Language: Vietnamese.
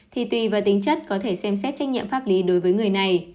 thì tùy vào tính chất có thể xem xét trách nhiệm pháp lý đối với người này